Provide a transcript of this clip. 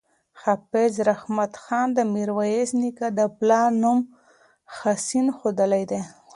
حافظ رحمت خان د میرویس نیکه د پلار نوم حسین ښودلی دی.